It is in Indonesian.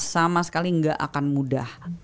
sama sekali nggak akan mudah